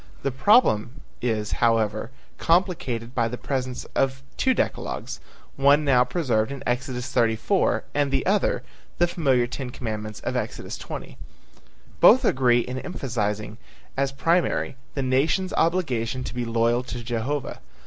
The problem is, however, complicated by the presence of two decalogues, one now preserved in Exodus 34 and the other, the familiar ten commandments of Exodus 20. Both agree in emphasizing as primary the nation's obligation to be loyal to Jehovah.